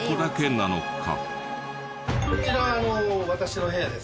こちら私の部屋です。